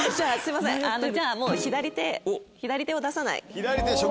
あのじゃあもう左手「左手を出さない」。